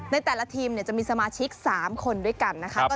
ในแต่ละทีมจะมีสมาชิก๓คนด้วยกันนะคะ